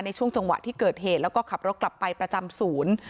ในช่วงจังหวะที่เกิดเหตุแล้วก็ขับรถกลับไปประจำศูนย์